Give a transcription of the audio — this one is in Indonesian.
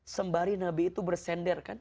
sembari nabi itu bersender kan